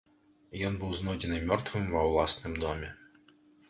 Ён быў знойдзены мёртвым ва ўласным доме.